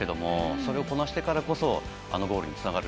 それをこなしていくからこそあのゴールにつながる。